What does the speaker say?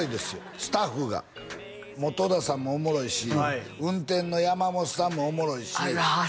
スタッフが元田さんもおもろいし運転の山本さんもおもろいしあら